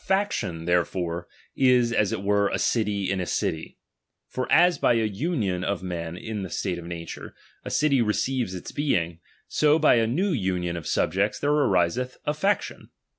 k faction, therefore, is as it were a city ia a city : for as by aa nuiou of men in the state of nature, a city receives its being, so by a new union of sub jects there ariseth a. faction.